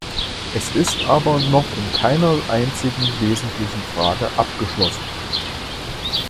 Es ist aber noch in keiner einzigen wesentlichen Frage abgeschlossen.